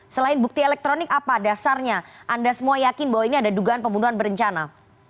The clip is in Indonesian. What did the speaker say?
selain bukti elektronik apa dasarnya anda semua yakin bahwa ini ada dugaan pembunuhan berencana